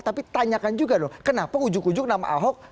tapi tanyakan juga dong kenapa ujung ujung nama ahok